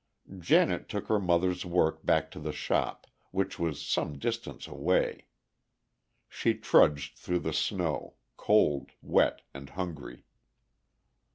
Janet took her mother's work back to the shop, which was some distance away. She trudged through the snow, cold, wet, and hungry.